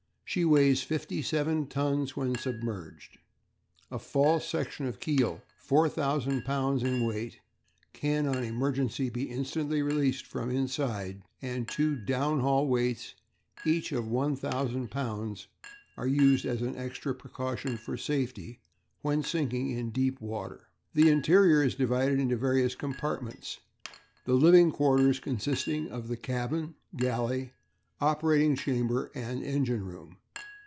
She weighs fifty seven tons when submerged. A false section of keel, 4000 lbs. in weight, can on emergency be instantly released from inside; and two downhaul weights, each of 1000 lbs., are used as an extra precaution for safety when sinking in deep water. The interior is divided into various compartments, the living quarters consisting of the cabin, galley, operating chamber and engine room.